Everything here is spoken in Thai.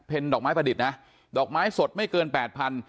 เพลงดอกไม้ประดิษฐ์นะดอกไม้สดไม่เกิน๘๐๐๐บาท